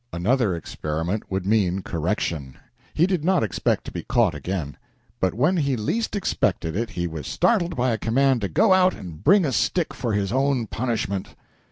Another experiment would mean correction. He did not expect to be caught again; but when he least expected it he was startled by a command to go out and bring a stick for his own punishment.